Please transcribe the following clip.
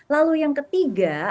lalu yang ketiga